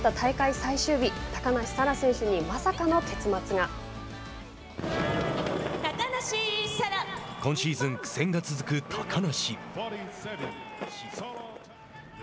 最終日高梨沙羅選手に今シーズン苦戦が続く高梨。